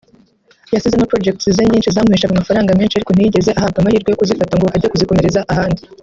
yasizemo projects ze nyinshi zamuheshaga amafaranga menshi ariko ntiyigeze ahabwa amahirwe yo kuzifata ngo ajye no kuzikomereza ahandi